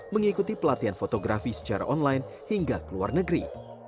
mengikuti pelatihan fotografi secara online hingga ke luar negeri